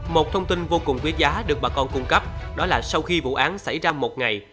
một thông tin vô cùng quý giá được bà con cung cấp đó là sau khi vụ án xảy ra một ngày